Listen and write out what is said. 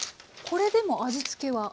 これでもう味付けは。